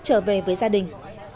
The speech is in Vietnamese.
trở về với gia đình